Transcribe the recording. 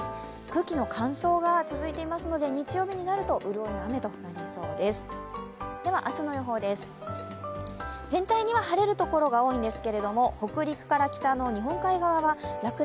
空気の乾燥が続いていますので、日曜日になると潤いの雨となりそうです。